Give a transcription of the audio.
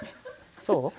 そう？